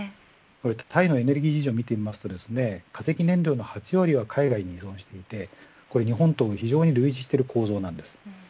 タイのエネルギー事情を見ると化石燃料の８割は海外に依存していて日本と非常に類似している構造です。